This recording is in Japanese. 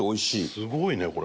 すごいねこれ。